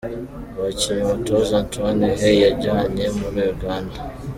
Abakinnyi umutoza Antoine Hey yajyanye muri Uganda:.